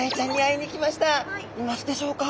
いますでしょうか？